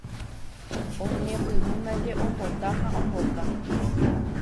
Oñepyrũndaje ombota ha ombota.